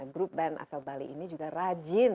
grup band asal bali ini juga rajin